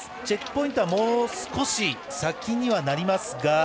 チェックポイントはもう少し先にはなりますが。